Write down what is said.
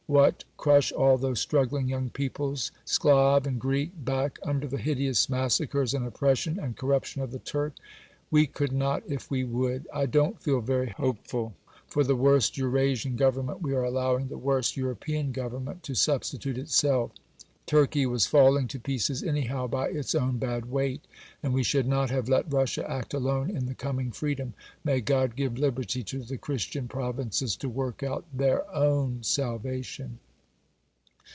What! crush all those struggling young peoples, Sclav and Greek, back under the hideous massacres and oppression and corruption of the Turk? We could not if we would. I don't feel very hopeful: for the worst Eurasian Government, we are allowing the worst European Government to substitute itself. Turkey was falling to pieces anyhow by its own bad weight; and we should not have let Russia act alone in the coming freedom. May God give liberty to the Christian provinces to work out their own salvation!